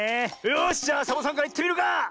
よしじゃあサボさんからいってみるか！